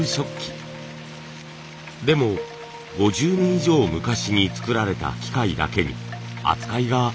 でも５０年以上昔に作られた機械だけに扱いが難しいんです。